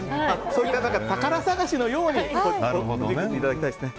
そうして宝探しのように食べていただきたいですね。